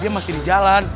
dia masih di jalan